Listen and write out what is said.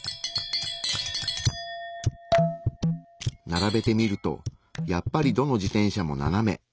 ならべてみるとやっぱりどの自転車も斜め。